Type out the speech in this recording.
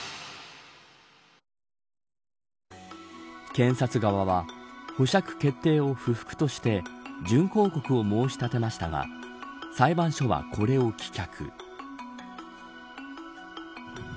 検察側は、保釈決定を不服として準抗告を申し立てましたが裁判所はこれを棄却。